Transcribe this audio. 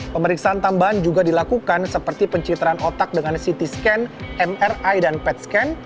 pemeriksaan tambahan juga dilakukan seperti pencitraan otak dengan ct scan mri dan pet scan